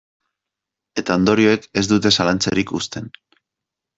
Eta ondorioek ez dute zalantzarik uzten.